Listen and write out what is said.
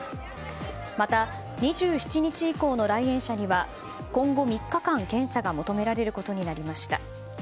また、２７日以降の来園者には今後３日間、検査が求められることになりました。